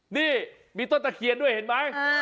นี่มีต้นตะเคียนด้วยเห็นไหม